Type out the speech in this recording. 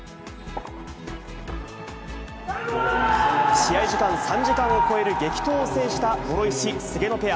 試合時間３時間を超える激闘を制した諸石・菅野ペア。